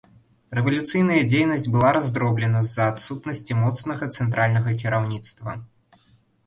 Рэвалюцыйная дзейнасць была раздроблена з-за адсутнасці моцнага цэнтральнага кіраўніцтва.